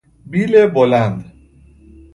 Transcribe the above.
بیل بلند